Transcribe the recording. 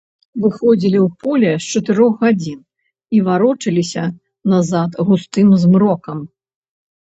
Выходзілі ў поле з чатырох гадзін і варочаліся назад густым змрокам.